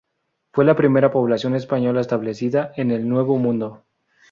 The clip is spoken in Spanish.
Fue la primera población española establecida en el Nuevo Mundo.